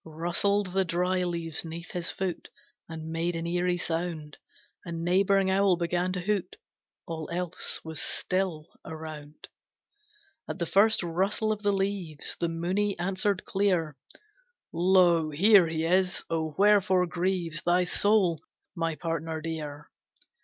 Rustled the dry leaves neath his foot, And made an eerie sound, A neighbouring owl began to hoot, All else was still around. At the first rustle of the leaves The Muni answered clear, "Lo, here he is oh wherefore grieves Thy soul, my partner dear?"